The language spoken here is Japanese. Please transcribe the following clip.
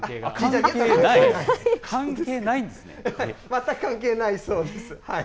全く関係ないそうです。